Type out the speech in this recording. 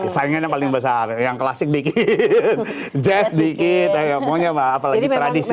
saingannya paling besar yang klasik dikit jazz dikit apalagi tradisi